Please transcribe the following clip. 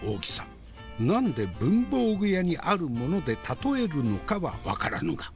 何で文房具屋にあるもので例えるのかは分からぬが。